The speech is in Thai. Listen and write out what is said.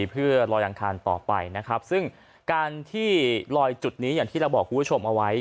เพื่อลอยอังคารต่อไปนะครับซึ่งการที่ลอยจุดนี้อย่างที่เราบอกคุณผู้ชมเอาไว้